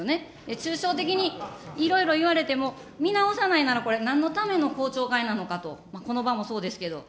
抽象的にいろいろ言われても、見直さないなら、これ、なんのための公聴会なのかと、この場もそうですけど。